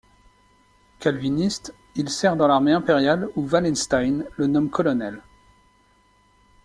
Calviniste, il sert dans l'armée impériale où Wallenstein le nomme colonel.